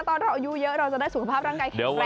ตอนเราอายุเยอะเราจะได้สุขภาพร่างกายแข็งแรง